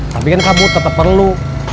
tapi kan kamu tetap perlu